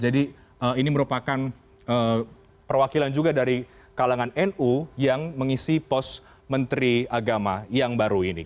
jadi ini merupakan perwakilan juga dari kalangan nu yang mengisi pos menteri agama yang baru ini